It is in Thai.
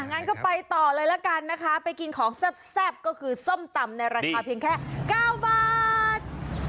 งั้นก็ไปต่อเลยละกันนะคะไปกินของแซ่บก็คือส้มตำในราคาเพียงแค่๙บาท